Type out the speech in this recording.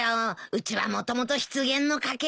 うちはもともと失言の家系だし。